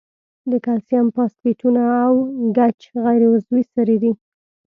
د کلسیم فاسفیټونه او ګچ غیر عضوي سرې دي.